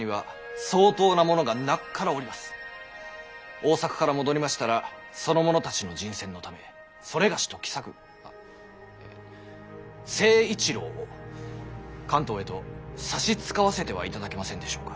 大坂から戻りましたらその者たちの人選のため某と喜作成一郎を関東へと差し遣わせてはいただけませんでしょうか。